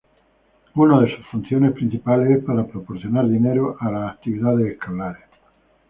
Uno de sus funciones principales es para proporcionar dinero para las actividades escolares.